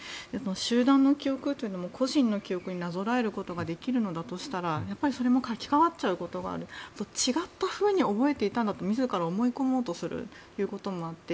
集団の記憶というのも個人の記憶になぞらえることができるのだとしたらやっぱりそれも書き換わっちゃうこともあって違ったふうに覚えていたんだと自ら思い込もうとするということもあって